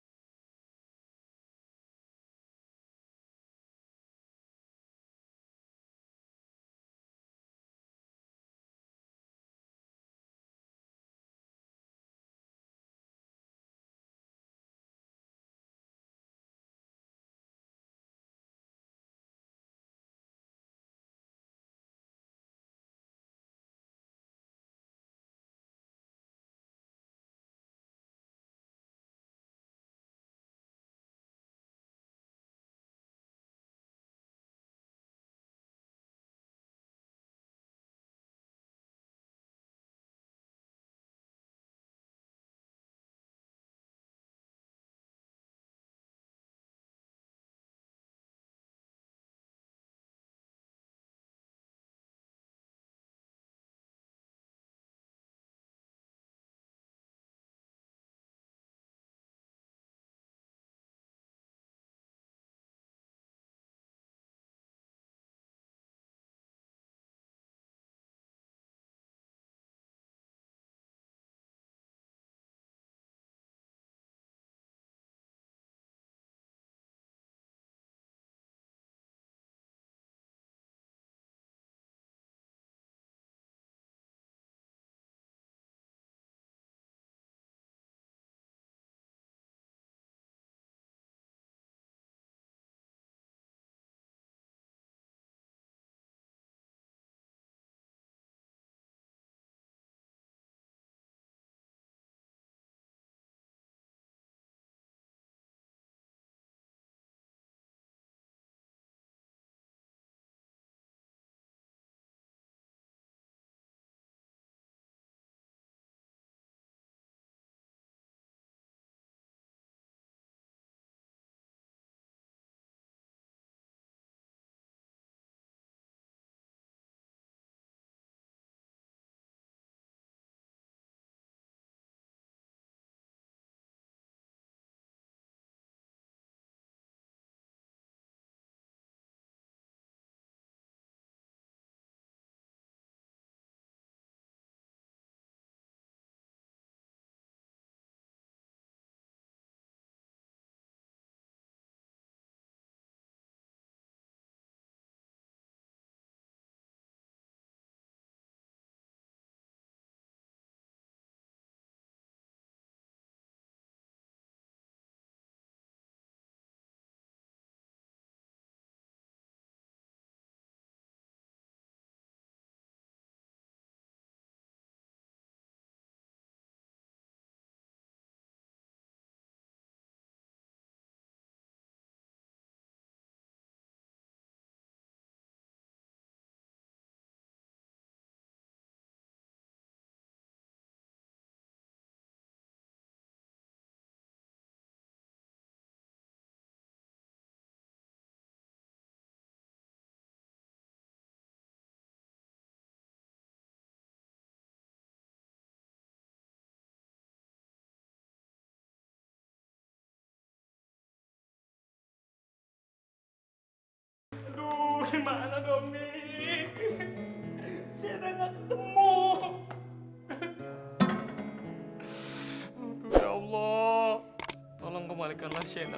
cracks it deben aku kepain